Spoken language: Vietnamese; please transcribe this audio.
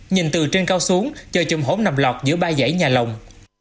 nhìn từ trên cao xuống chờ trùm hổm nằm lọt giữa ba giải nhà lồng